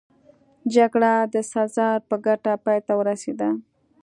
جګړه د سزار په ګټه پای ته ورسېده